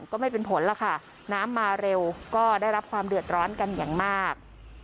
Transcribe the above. ก็ไม่เป็นผลล่ะค่ะน้ำมาเร็วก็ได้รับความเดือดร้อนกันอย่างมาก